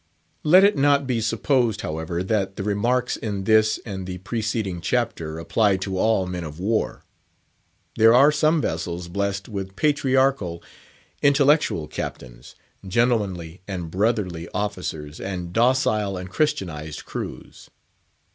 Let it not be supposed, however, that the remarks in this and the preceding chapter apply to all men of war. There are some vessels blessed with patriarchal, intellectual Captains, gentlemanly and brotherly officers, and docile and Christianised crews.